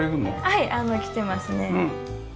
はい来てますね。